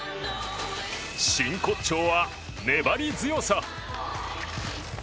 真骨頂は粘り強さ。